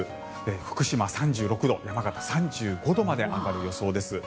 福島、３６度山形、３５度まで上がる予想です。